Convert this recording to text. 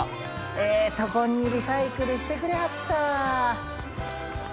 ええとこにリサイクルしてくれはったわ。